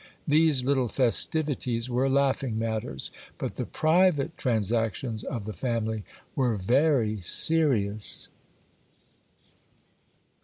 These little festivities were laughing matters ; but the private trans actions of the family were very serious.